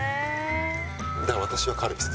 だから私はカルピス。